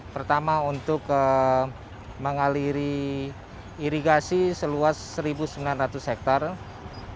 pertama untuk mengaliri irigasi seluas satu sembilan ratus hektare